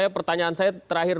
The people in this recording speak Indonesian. pertanyaan saya terakhir